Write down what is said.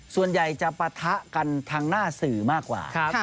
ส่วนใหญ่จะปะทะกันทางหน้าสื่อมากกว่า